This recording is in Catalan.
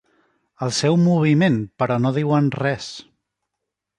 El seu moviment, però no diuen res.